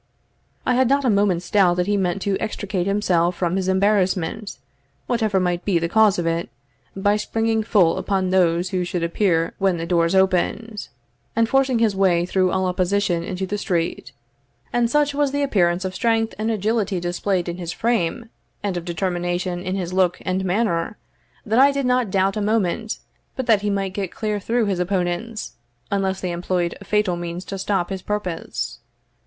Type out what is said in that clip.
I had not a moment's doubt that he meant to extricate himself from his embarrassment, whatever might be the cause of it, by springing full upon those who should appear when the doors opened, and forcing his way through all opposition into the street; and such was the appearance of strength and agility displayed in his frame, and of determination in his look and manner, that I did not doubt a moment but that he might get clear through his opponents, unless they employed fatal means to stop his purpose.